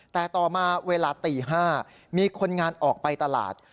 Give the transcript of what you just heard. แต่ต่อมาเวลาตี๕มีคนงานออกไปตลาด